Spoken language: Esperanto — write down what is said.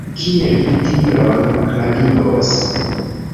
Kiel vi tion klarigos?